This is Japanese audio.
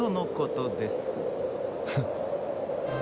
フッ。